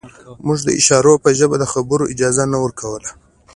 موږ د اشارو په ژبه د خبرو اجازه نه ورکوله